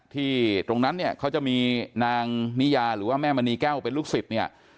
ที่ตรงนั้นเนี่ยเขาจะมีนางนิยาหรือว่าแม่มณีแก้วเป็นลูกศิษย์เนี่ย